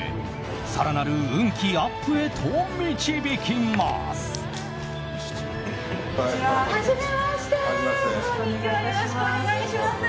更なる運気アップへと導きます。